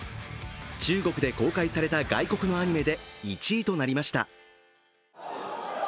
中国で公開された外国のアニメで１位となりました。